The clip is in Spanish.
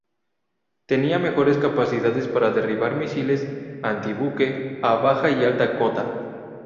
Tenía mejores capacidades para derribar misiles antibuque a baja y alta cota.